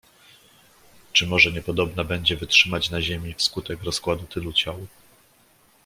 "Czy może niepodobna będzie wytrzymać na ziemi wskutek rozkładu tylu ciał?"